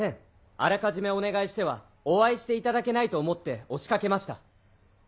あらかじめお願いしてはお会いしていただけないと思って押しかけました。